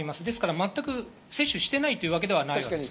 全く接種していないというわけではないです。